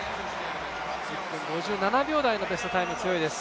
１分５７秒台のベストタイム、強いです。